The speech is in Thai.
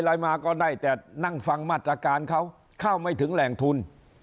อะไรมาก็ได้แต่นั่งฟังมาตรการเขาเข้าไม่ถึงแหล่งทุน